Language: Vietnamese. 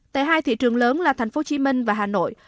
tại hai thị trường lớn là thành phố hồ chí minh và hà nội